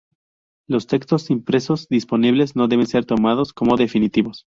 Los textos impresos disponibles no deben ser tomados como definitivos.